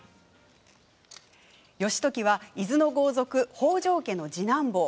義時は伊豆の豪族北条家の次男坊。